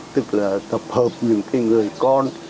tức là tập hợp những cái người con